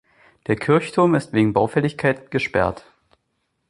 Der Kirchturm ist wegen Baufälligkeit gesperrt.